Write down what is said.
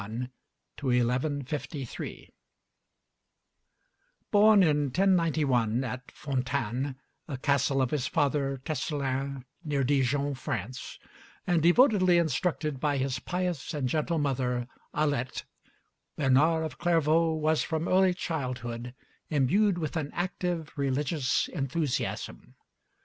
SAINT BERNARD OF CLAIRVAUX (1091 1153) Born in 1091, at Fontaines, a castle of his father Tescelin, near Dijon, France, and devotedly instructed by his pious and gentle mother Aleth, Bernard of Clairvaux was from early childhood imbued with an active religious enthusiasm.